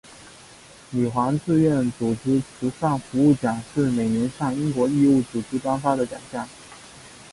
女皇志愿组织慈善服务奖是每年向英国义务组织颁发的奖项。